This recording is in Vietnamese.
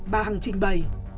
bà hằng trình bày